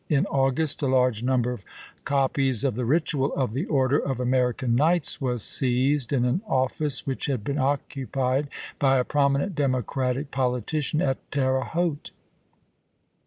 In August a large number of copies of the ritual of the Order of American Knights was seized in an office which had been occupied by a prominent Democratic thTjudse ,..,_^_.'^..,..,^ Advocate politician at Terre Haute.